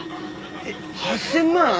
えっ８０００万